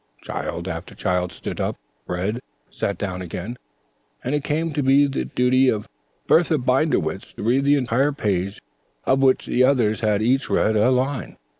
Child after child stood up, read, sat down again, and it came to be the duty of Bertha Binderwitz to read the entire page of which the others had each read a line.